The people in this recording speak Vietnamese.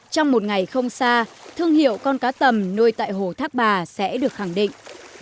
trong một ngày không xa thương hiệu con cá tầm nuôi tại hồ thác bà sẽ được khẳng định